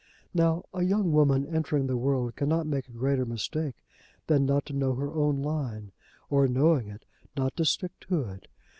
Now a young woman entering the world cannot make a greater mistake than not to know her own line, or, knowing it, not to stick to it.